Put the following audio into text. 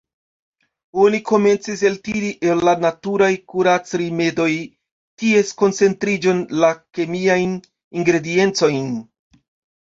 Oni komencis eltiri el la naturaj kurac-rimedoj ties koncentriĝon, la kemiajn ingrediencojn.